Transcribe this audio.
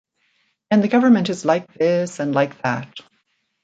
And the government is like this and like that.